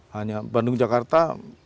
hanya bandung jakarta